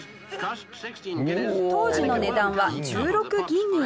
当時の値段は１６ギニー。